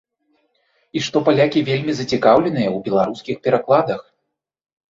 І што палякі вельмі зацікаўленыя ў беларускіх перакладах.